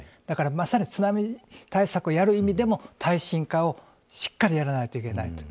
だから、まさに津波対策をやる意味でも耐震化をしっかりやらないといけない。